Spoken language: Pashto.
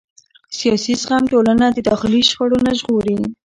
سیاسي زغم ټولنه د داخلي شخړو نه ژغوري